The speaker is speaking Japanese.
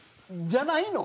じゃないの？